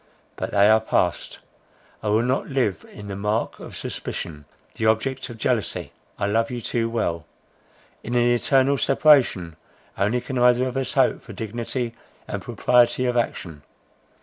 But they are passed. I will not live the mark of suspicion, the object of jealousy. I love you too well. In an eternal separation only can either of us hope for dignity and propriety of action.